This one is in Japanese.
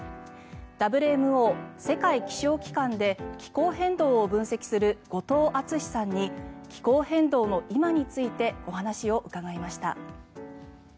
ＷＭＯ・世界気象機関で気候変動を分析する後藤敦史さんに気候変動の今についてお話を伺いました。